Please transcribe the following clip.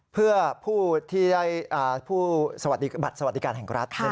เพื่อผู้ที่ได้บัตรสวัสดิการแห่งรัฐ